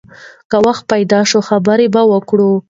که وخت پیدا شي، خبرې به وکړو.